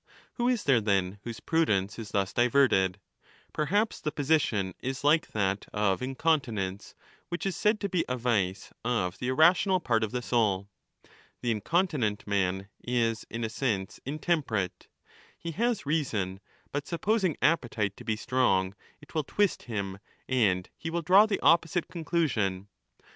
Who is there then whose prudence is thus diverted ? Perhaps the position is like that of incontinence, which is said to be a vice of the irrational part of the soul. The incontinent man is in a sense ^ intemperate ; he has reason, but supposing appetite to be strong it will twist him 15 and he will draw the opposite conclusion.